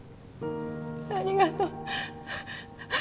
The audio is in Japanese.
ありがとう